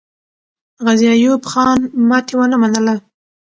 غازي ایوب خان ماتې ونه منله.